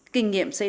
kinh nghiệm xây đá